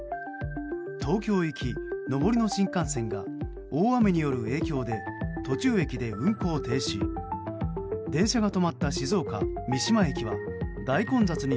東京行き上りの新幹線が大雨による影響で途中駅で運行停止に。